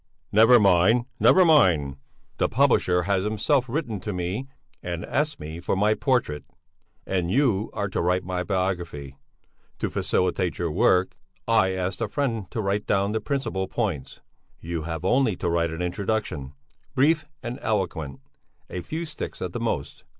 "Never mind! Never mind! The publisher has himself written to me and asked me for my portrait. And you are to write my biography! To facilitate your work, I asked a friend to write down the principal points. You have only to write an introduction, brief and eloquent a few sticks at the most.